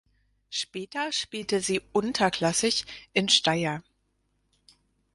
Später spielte sie unterklassig in Steyr.